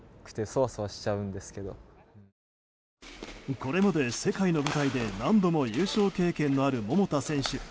これまで世界の舞台で何度も優勝経験のある桃田選手。